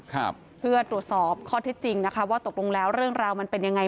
ครับเพื่อตรวจสอบข้อเท็จจริงนะคะว่าตกลงแล้วเรื่องราวมันเป็นยังไง